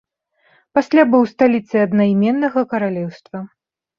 Пасля быў сталіцай аднайменнага каралеўства.